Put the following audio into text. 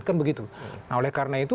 kan begitu nah oleh karena itu